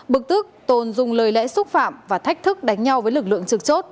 bực tức tồn dùng lời lẽ xúc phạm và thách thức đánh nhau với lực lượng trực chốt